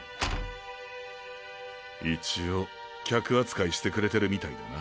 一応客扱いしてくれてるみたいだな。